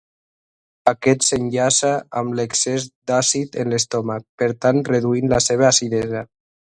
Aquest s'enllaça amb l'excés d'àcid en l'estómac, per tant reduint la seva acidesa.